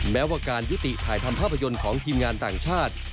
แม้ว่าการยุติถ่ายทำภาพยนตร์ของทีมงานต่างชาติ